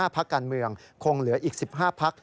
พักการเมืองคงเหลืออีก๑๕พัก